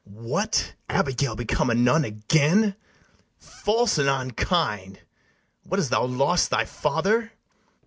What, Abigail become a nun again! False and unkind! what, hast thou lost thy father?